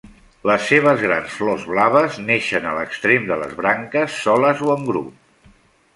Les seves grans flors blaves naixen a l'extrem de les branques, soles o en grup.